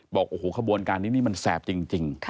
บอกโอ้โหขบวนการนี้นี่มันแสบจริง